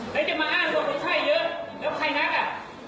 ในจะมาอ้านโรคลดไข้เยอะแล้วใครนัดอ่ะ